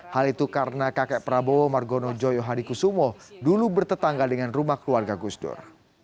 hal itu karena kakek prabowo margono joyo hadikusumo dulu bertetangga dengan rumah keluarga gusdur